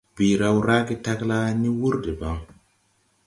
Bii raw raage tagla la ni wur debaŋ.